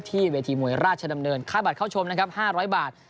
ที่เวทีมวยราชดำเนินค่าบัตรเข้าชมนะครับห้าร้อยบาท